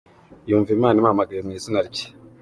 Yumva Imana imuhamagaye mu izina rye.